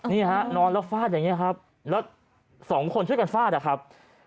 นี่ฮะนอนแล้วฟาดอย่างนี้ครับแล้วสองคนช่วยกันฟาดนะครับ